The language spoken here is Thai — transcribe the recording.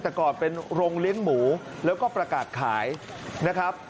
แต่ก่อนเป็นโรงเลี้ยงหมูแล้วก็ประกาศขายนะครับ